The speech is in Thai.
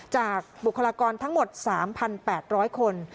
บุคลากรทั้งหมด๓๘๐๐คน